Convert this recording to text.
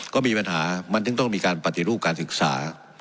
ก็มีปัญหามันจึงต้องมีการปฏิรูปการศึกษา